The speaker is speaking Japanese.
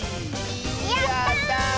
やった！